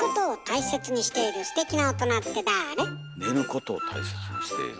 寝ることを大切にしている。